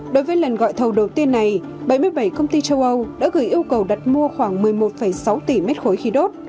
đối với lần gọi thầu đầu tiên này bảy mươi bảy công ty châu âu đã gửi yêu cầu đặt mua khoảng một mươi một sáu tỷ mét khối khí đốt